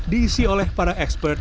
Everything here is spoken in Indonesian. diisi oleh para ekspert